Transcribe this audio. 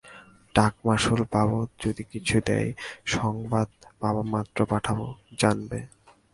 ডাকমাশুল বাবদ যদি কিছু দেয় থাকে, সংবাদ পাবামাত্র পাঠাব, জানবে।